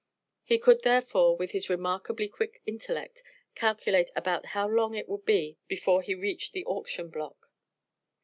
He could, therefore, with his remarkably quick intellect, calculate about how long it would be before he reached the auction block.